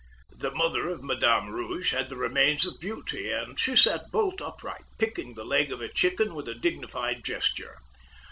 The mother of Madame Rouge had the remains of beauty, and she sat bolt upright, picking the leg of a chicken with a dignified gesture.